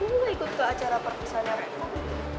kok kamu gak ikut ke acara pot pisahnya reva